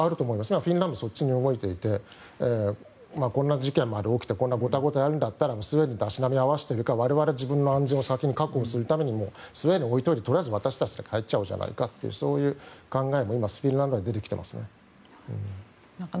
スウェーデンはそっちに動いていてこんな事件まで起きてごたごたになるんだったらスウェーデンと足並みをそろえるより我々の安全を確保するためにスウェーデンは置いておいてとりあえず私たちで帰ろうじゃないかというそういう考えもフィンランドでは出てきていますね。